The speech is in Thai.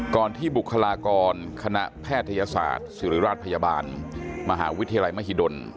ที่บุคลากรคณะแพทยศาสตร์ศิริราชพยาบาลมหาวิทยาลัยมหิดล